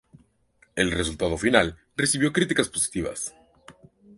El resultado final recibió críticas positivas.